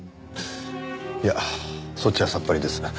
いやそっちはさっぱりです。